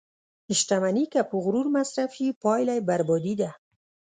• شتمني که په غرور مصرف شي، پایله یې بربادي ده.